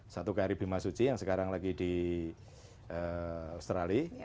satu ke arabi masuji yang sekarang lagi di australia